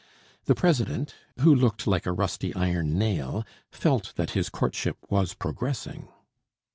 The president, who looked like a rusty iron nail, felt that his courtship was progressing.